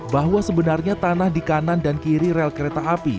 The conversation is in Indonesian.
bahwa sebenarnya tanah di kanan dan kiri rel kereta api